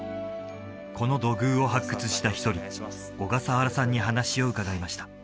この土偶を発掘した一人小笠原さんに話を伺いました